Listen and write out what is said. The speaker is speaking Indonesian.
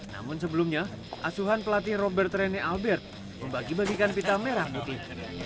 namun sebelumnya asuhan pelatih robert rene albert membagi bagikan pita merah putih